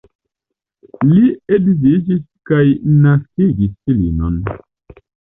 Li edziĝis kaj naskigis filinon.